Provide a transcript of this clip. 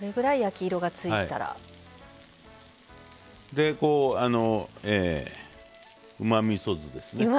でこううまみそ酢ですね。